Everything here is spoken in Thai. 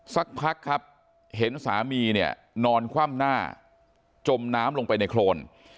สักพักครับเห็นสามีเนี่ยนอนคว่ำหน้าจมน้ำลงไปในโครน